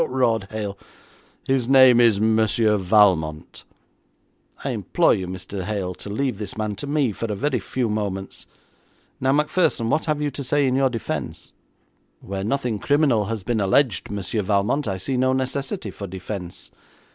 'Haw haw,' roared Hale. 'His name is Monsieur Valmont.' 'I implore you, Mr. Hale, to leave this man to me for a very few moments. Now, Macpherson, what have you to say in your defence?' 'Where nothing criminal has been alleged, Monsieur Valmont, I see no necessity for defence.